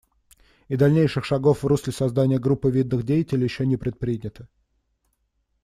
И дальнейших шагов в русле создания группы видных деятелей еще не предпринято.